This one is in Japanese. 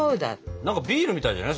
何かビールみたいじゃない？